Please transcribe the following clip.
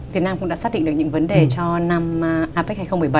việt nam cũng đã xác định được những vấn đề cho năm apec hai nghìn một mươi bảy